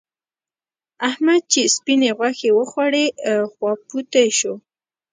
احمد چې سپينې غوښې وخوړې؛ خواپوتی شو.